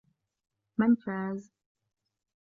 من فاز ؟